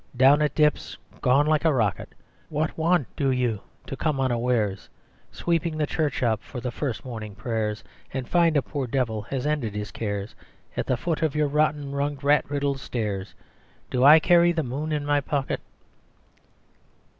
Down it dips, gone like a rocket. What, you want, do you, to come unawares, Sweeping the church up for first morning prayers, And find a poor devil has ended his cares At the foot of your rotten runged rat riddled stairs? Do I carry the moon in my pocket?"